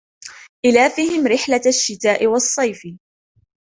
إيلافهم رحلة الشتاء والصيف